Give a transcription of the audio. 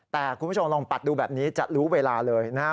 แต่คุณผู้ชมลองปัดดูแบบนี้จะรู้เวลาเลยนะครับ